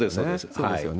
そうですよね。